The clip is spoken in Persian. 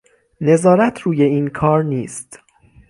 نظارت روی این کار نیست